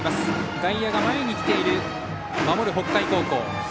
外野が前に来ている守る、北海高校。